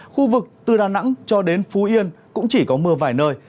khu vực từ đà nẵng cho đến phú yên cũng chỉ có mưa vài nơi